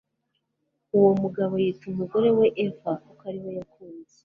Uwo mugabo yita umugore we Eva kuko ari we yakunze